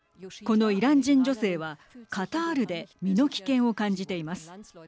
このイラン人女性はカタールで身の危険を感じています。